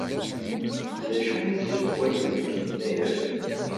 D acu i tessewwayem deg Yennayer?